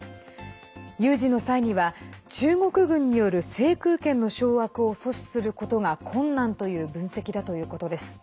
有事の際には中国軍による制空権の掌握を阻止することが困難という分析だということです。